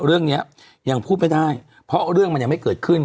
เรื่องนี้ยังพูดไม่ได้เพราะเรื่องมันยังไม่เกิดขึ้น